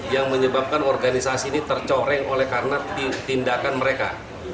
yang menyebabkan organisasi ini tercoreng oleh karena tindakan mereka